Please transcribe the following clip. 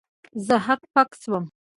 زه هک پک سوم.